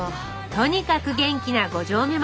とにかく元気な五城目町。